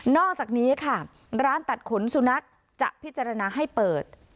อกจากนี้ค่ะร้านตัดขนสุนัขจะพิจารณาให้เปิด